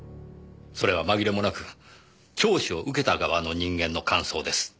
それは紛れもなく聴取を受けた側の人間の感想です。